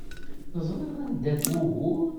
Teẓriḍ anda-t wugur.